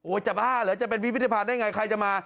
จะบ้าเหรอจะเป็นพิพิธภัณฑ์ได้ไงใครจะมา